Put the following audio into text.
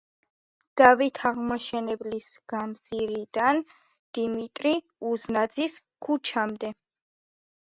დავით აღმაშენებლის გამზირიდან დიმიტრი უზნაძის ქუჩამდე.